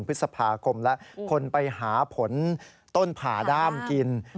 พฤษภาคมแล้วคนไปหาผลต้นผ่าด้ามกิน